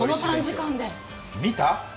見た？